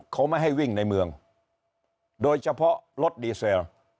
เขาไม่ให้วิ่งในเมืองโดยเฉพาะรถดีเซล